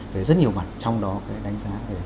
với rất nhiều mặt trong đó để đánh giá